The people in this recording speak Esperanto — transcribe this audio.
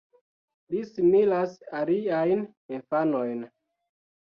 Li similas aliajn infanojn.